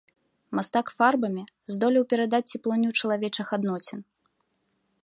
Мастак фарбамі здолеў перадаць цеплыню чалавечых адносін.